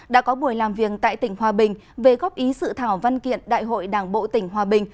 đã có buổi làm việc tại tỉnh hòa bình về góp ý sự thảo văn kiện đại hội đảng bộ tỉnh hòa bình